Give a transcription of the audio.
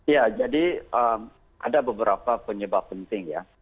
ya jadi ada beberapa penyebab penting ya